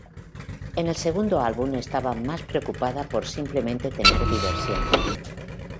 En el segundo álbum estaba más preocupada por simplemente tener diversión".